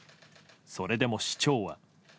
それでも市長は。